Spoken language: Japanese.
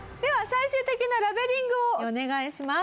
最終的なラベリングをお願いします。